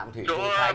nam thủy khánh